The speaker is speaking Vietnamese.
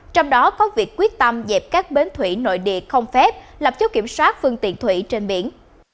trong đó có việc quyết tâm dẹp các bến thủy nội địa không phép lập chốt kiểm soát phương tiện thủy trên biển